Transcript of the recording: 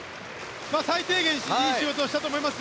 最低限いい仕事をしたと思います。